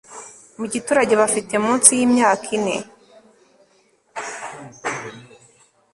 mu giturage bafite munsi y'imyaka ine